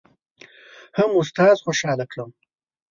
هم استاد خوشحاله کړم.